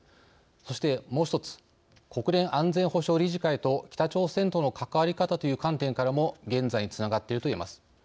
そして、もう１つ国連安全保障理事会と北朝鮮との関わり方という観点からも現在につながっているといえます。